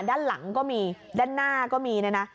ด้านหลังก็มีด้านหน้าก็มีเนี่ยนะ